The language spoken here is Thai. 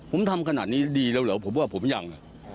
ผมทำขนาดนี้ดีแล้วเหรอผมว่าผมยัง